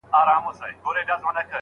آیا خپل کلتور تر پردي کلتور نږدې دی؟